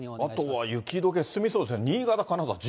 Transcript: あとは雪どけ、進みそうですね。